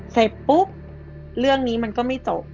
เสร็จปุ๊บเรื่องนี้มันก็ไม่จบ